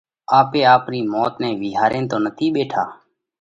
آپي آپرِي موت نئہ وِيهارينَ تو نٿِي ٻيٺا؟